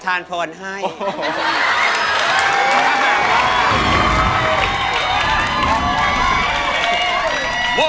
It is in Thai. สวัสดีครับ